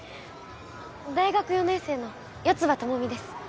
大学４年生の四葉朋美です。